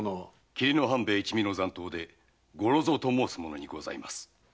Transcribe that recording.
“霧の半兵衛”一味の残党で五六蔵と申す者にございます。